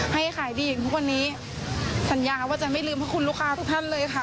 ให้ขายดีอย่างทุกวันนี้สัญญาว่าจะไม่ลืมพระคุณลูกค้าทุกท่านเลยค่ะ